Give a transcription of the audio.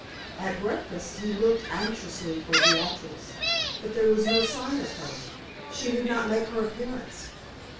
At breakfast he looked anxiously for Beatrix; but there was no sign of her; she did not make her appearance.